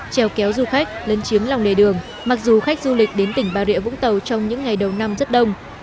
trèo kéo du khách lấn chiếm lòng đề đường mặc dù khách du lịch đến tỉnh bà rệ vũng tàu trong những ngày đầu năm rất đông